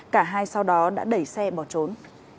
cả hai sau đó đã đẩy xe bỏ trốn